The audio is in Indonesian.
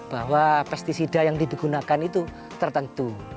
bahwa pesticida yang digunakan itu tertentu